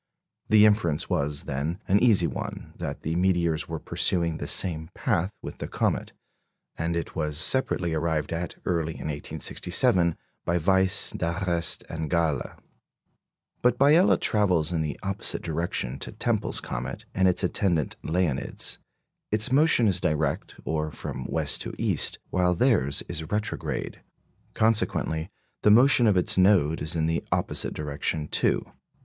The inference was, then, an easy one, that the meteors were pursuing the same path with the comet; and it was separately arrived at, early in 1867, by Weiss, D'Arrest, and Galle. But Biela travels in the opposite direction to Tempel's comet and its attendant "Leonids"; its motion is direct, or from west to east, while theirs is retrograde. Consequently, the motion of its node is in the opposite direction too.